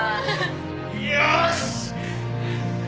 よし！